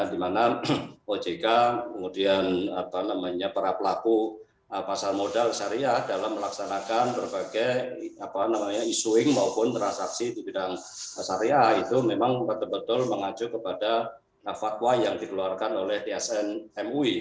di mana ojk kemudian para pelaku pasar modal syariah dalam melaksanakan berbagai isuing maupun transaksi di bidang syariah itu memang betul betul mengacu kepada fatwa yang dikeluarkan oleh tsn mui